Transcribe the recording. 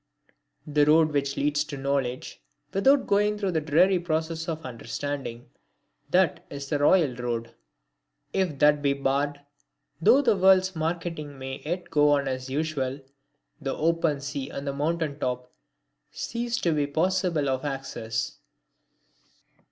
The road which leads to knowledge, without going through the dreary process of understanding, that is the royal road. If that be barred, though the world's marketing may yet go on as usual, the open sea and the mountain top cease to be possible of access.